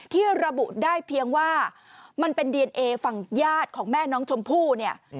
ที่ระบุได้เพียงว่ามันเป็นดีเอนเอฝั่งญาติของแม่น้องชมพู่เนี่ย